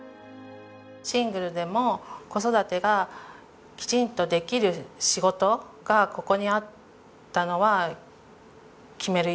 シングルでも子育てがきちんとできる仕事がここにあったのは決める